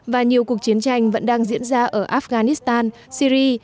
và nhiều cuộc chiến tranh vẫn đang diễn ra ở afghanistan syri